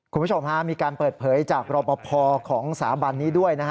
คุณผู้ชมมีการเปิดเผยจากรอปภของสถาบันนี้ด้วย